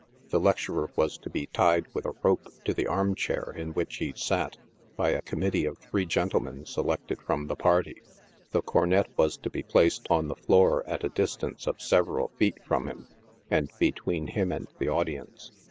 The lecturer was to be tied with a rope to the arm chair in which he sat, by a committee of three gentlemen selected from the party. The cornet was to be placed on the floor at a distance of several feet from him, and between him and the audience.